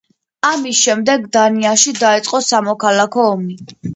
ამის შემდეგ, დანიაში დაიწყო სამოქალაქო ომი.